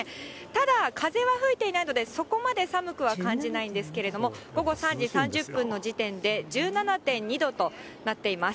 ただ、風は吹いていないので、そこまで寒くは感じないんですけども、午後３時３０分の時点で１７．２度となっています。